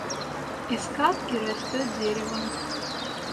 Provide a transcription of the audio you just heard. Из кадки растёт дерево.